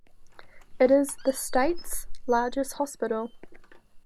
It is the state's largest hospital.